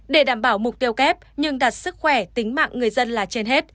để đảm bảo mục tiêu kép nhưng đặt sức khỏe tính mạng người dân là trên hết